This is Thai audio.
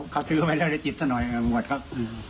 เขาซื้อไว้แล้วในจิตส่วนหน่อยครับ